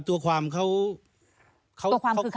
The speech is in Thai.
ตัวความคือใครคะ